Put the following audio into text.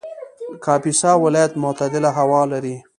کاپیسا ولایت معتدله هوا لري